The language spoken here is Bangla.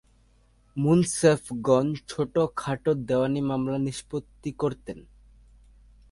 মুন্সেফগণ ছোটখাটো দেওয়ানি মামলা নিষ্পত্তি করতেন।